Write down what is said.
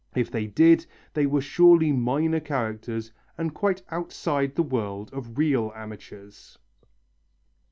If they did, they were surely minor characters and quite outside the world of real amateurs.